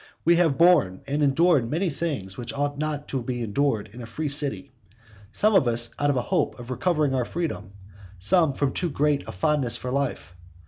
We have borne and endured many things which ought not to be endured in a free city, some of us out of a hope of recovering our freedom, some from too great a fondness for life.